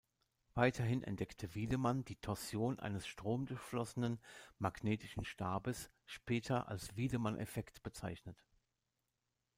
Weiterhin entdeckte Wiedemann die Torsion eines stromdurchflossenen magnetischen Stabes, später als Wiedemann-Effekt bezeichnet.